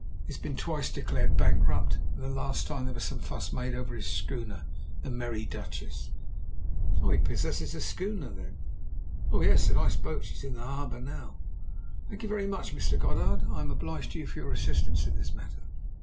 He has been twice declared bankrupt, and the last time there was some fuss made over his schooner, the Merry Duchess." "He possesses a schooner, then?" "Oh, yes! A nice boat. She's in harbour now." "Thank you very much, Mr. Goddard. I am obliged to you for your assistance in this matter."